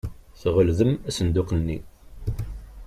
Tɣeldem asenduq-nni.